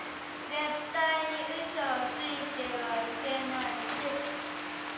絶対にウソをついてはいけないですって。